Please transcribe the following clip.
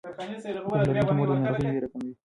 پوهه لرونکې مور د ناروغۍ ویره کموي.